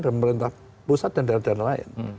pemerintah pusat dan daerah daerah lain